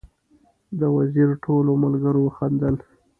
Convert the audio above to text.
د وزیر ټولو ملګرو وخندل.